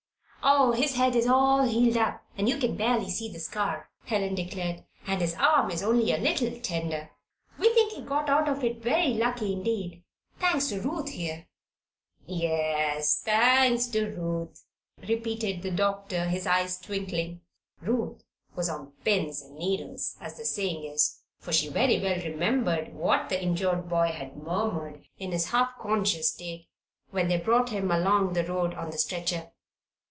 "Oh, his head is all healed up you can just barely see the scar," Helen declared. "And his arm is only a little tender. We think he got out of it very lucky indeed thanks to Ruth here." "Yes, thanks to Ruth," repeated the doctor, his eyes twinkling. Ruth was "on pins and needles," as the saying is, for she very well remembered what the injured boy had murmured, in his half conscious state, when they brought him along the road on the stretcher.